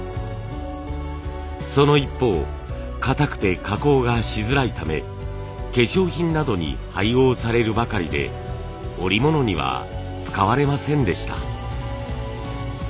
その一方かたくて加工がしづらいため化粧品などに配合されるばかりで織物には使われませんでした。